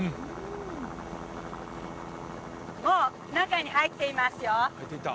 もう中に入っていますよ